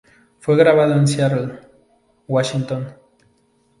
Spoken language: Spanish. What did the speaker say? Fue grabado en Seattle, Washington.